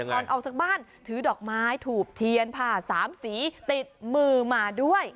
ก่อนออกจากบ้านถือดอกไม้ถูกเทียนผ้าสามสีติดมือมาด้วย